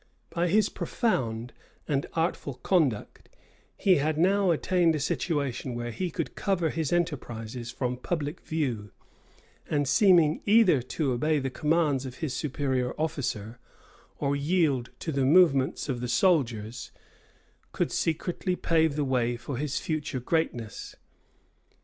By his profound and artful conduct, he had now attained a situation where he could cover his enterprises from public view; and seeming either to obey the commands of his superior officer, or yield to the movements of the soldiers, could secretly pave the way for his future greatness.